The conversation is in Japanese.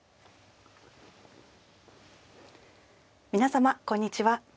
皆様こんにちは。